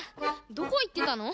どこいってたの？